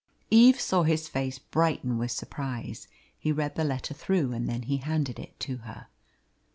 Eve saw his face brighten with surprise. He read the letter through, and then he handed it to her.